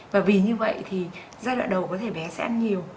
và vì như vậy thì giai đoạn đầu có thể bé sẽ ăn nhiều